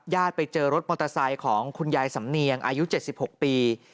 ไปเจอรถมอเตอร์ไซค์ของคุณยายสำเนียงอายุ๗๖ปี